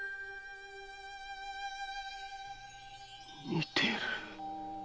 似てる。